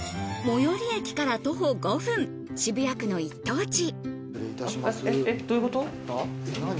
最寄駅から徒歩５分、渋谷区の一等地。